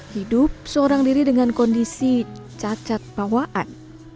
hidup seorang diri dengan kondisi cacat bawaan